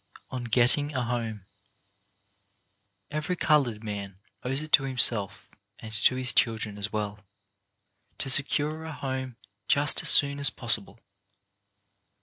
ON GETTING A HOME Every coloured man owes it to himself, and to his children as well, to secure a home just as soon as possible.